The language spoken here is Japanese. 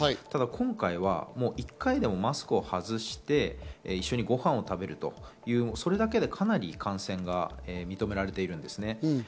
ただ今回は１回でもマスクを外して一緒にごはんを食べると、それだけでかなり感染が認められているんですね。